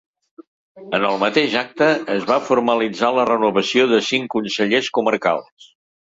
En el mateix acte es va formalitzar la renovació de cinc consellers comarcals.